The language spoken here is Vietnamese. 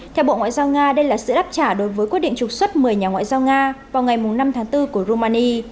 theo bộ ngoại giao nga đây là sự đáp trả đối với quyết định trục xuất một mươi nhà ngoại giao nga vào ngày năm tháng bốn của romani